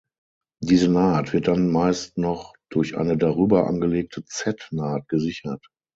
Diese Naht wird dann meist noch durch eine darüber angelegte Z-Naht gesichert.